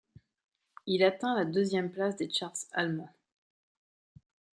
Il atteint la deuxième place des charts allemands.